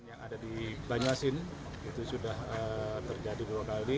yang ada di banyuasin itu sudah terjadi dua kali